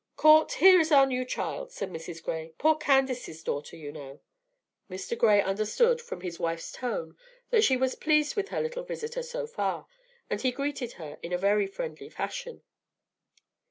"Court, here is our new child," said Mrs. Gray; "poor Candace's daughter, you know." Mr. Gray understood, from his wife's tone, that she was pleased with her little visitor so far, and he greeted her in a very friendly fashion.